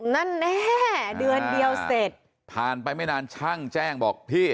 แน่เดือนเดียวเสร็จผ่านไปไม่นานช่างแจ้งบอกพี่